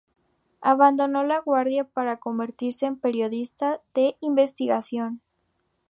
Abandonó la Guardia para convertirse en periodista de investigación.